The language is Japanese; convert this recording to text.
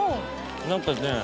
何かね